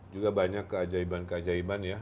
juga banyak keajaiban keajaiban ya